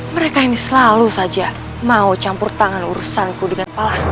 mereka ini selalu saja mau campur tangan urusanku dengan palas